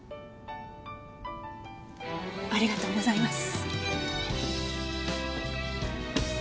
ありがとうございます。